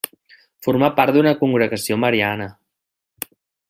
Formà part d'una congregació mariana.